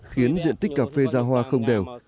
khiến diện tích cà phê ra hoa không đều